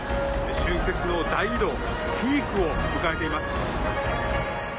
春節の大移動ピークを迎えています。